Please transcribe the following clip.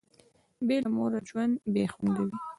بي له موره ژوند بي خونده وي